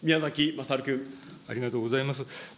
ありがとうございます。